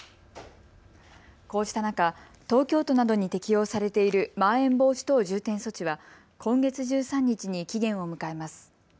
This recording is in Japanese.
こうした中、東京都などに適用されているまん延防止等重点措置は今月１３日に期限を迎えます。